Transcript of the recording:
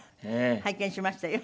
拝見しましたよ。